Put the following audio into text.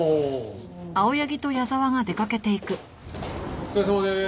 お疲れさまです。